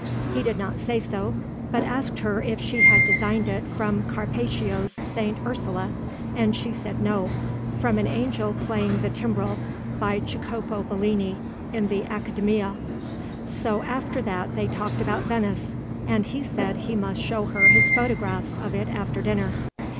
He did not say so, but asked her if she had designed it from Carpaccio's St. Ursula, and she said no, from an angel playing the timbrel by Jacopo Bellini in the Accademia. So after that they talked about Venice, and he said he must show her his photographs of it after dinner.